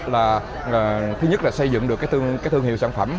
là thứ nhất là xây dựng được cái thương hiệu sản phẩm